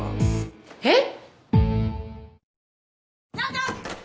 えっ？